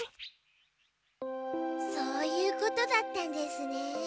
そういうことだったんですね。